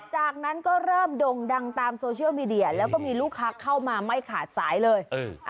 จากนั้นก็เริ่มด่งดังตามโซเชียลมีเดียแล้วก็มีลูกค้าเข้ามาไม่ขาดสายเลย